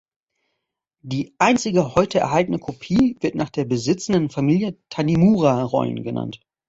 Die einzige heute erhaltene Kopie wird nach der besitzenden Familie "Tanimura-Rollen" genannt.